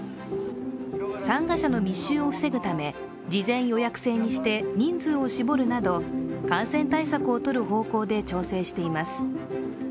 参賀者の密集を防ぐため、事前予約制にして人数を絞るなど感染対策をとる方向で調整しています。